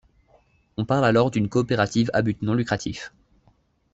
On parle alors d'une coopérative a but non lucratif.